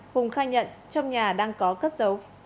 hùng khai nhận trong nhà đang có cất dấu